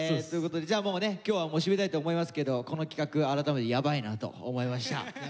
ということでじゃあもうね今日はもう締めたいと思いますけどこの企画改めてヤバいなと思いました。